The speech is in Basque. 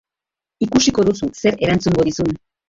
Ikusiko duzu zer erantzungo dizun.